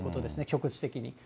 局地的に。